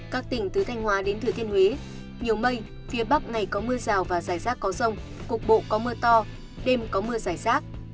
các tỉnh từ thanh hóa đến thừa thiên huế nhiều mây phía bắc ngày có mưa rào và rải rác có rông cục bộ có mưa to đêm có mưa giải rác